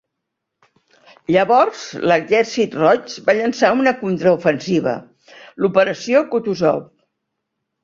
Llavors, l'Exèrcit Roig va llançar una contraofensiva, l'operació Kutuzov.